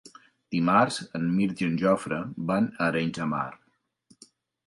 Dimarts en Mirt i en Jofre van a Arenys de Mar.